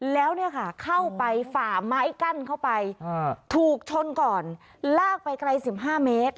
แล้วเนี่ยค่ะเข้าไปฝ่าไม้กั้นเข้าไปถูกชนก่อนลากไปไกล๑๕เมตร